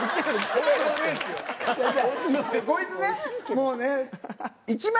もうね。